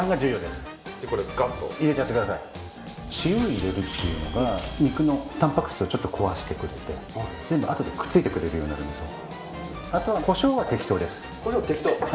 塩を入れるというのが肉のたんぱく質をちょっと壊してくれて全部あとでくっついてくれるようになるんですよ。